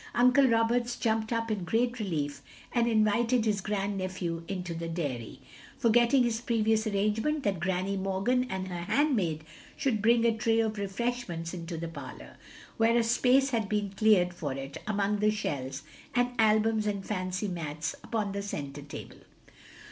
Uncle Roberts jtmiped up in great relief and invited his grandnephew into the dairy; forgetting his previous arrangement that Granny Morgan and her handnmid should bring a tray of refreshments into the parlour, where a space had been cleared for it among the shells and albums and fancy mats upon the centre table.